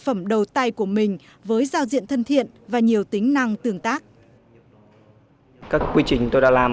phẩm đầu tay của mình với giao diện thân thiện và nhiều tính năng tương tác các quy trình tôi đã làm